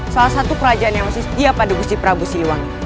salah satu kerajaan yang masih setia pada gusti prabu siwangi